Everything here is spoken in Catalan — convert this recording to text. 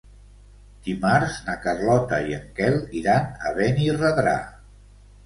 Dimarts na Carlota i en Quel iran a Benirredrà.